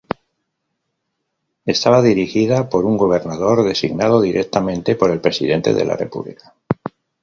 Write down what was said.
Estaba dirigida por un gobernador, designado directamente por el presidente de la República.